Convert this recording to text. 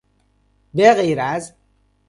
بغیر از